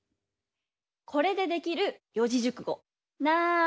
これでできる四字熟語なんだ？